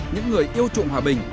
những người yêu chuộng hòa bình